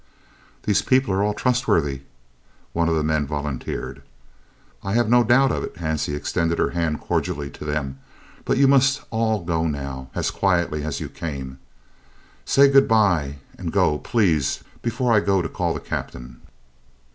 "These people are all trustworthy," one of the men volunteered. "I have no doubt of it." Hansie extended her hands cordially to them. "But you must all go now as quietly as you came. Say good bye and go, please, before I go to call the Captain."